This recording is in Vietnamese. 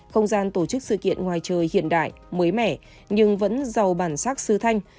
không gian tổ chức sự kiện ngoài trời hiện đại mới mẻ nhưng vẫn giàu bản sắc sư thanh